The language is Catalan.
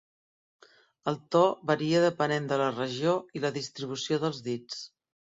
El to varia depenent de la regió i la distribució dels dits.